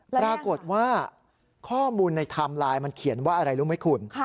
ปรากฏว่าข้อมูลในไทม์ไลน์มันเขียนว่าอะไรรู้ไหมคุณ